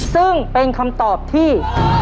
ซึ่งเป็นคำตอบที่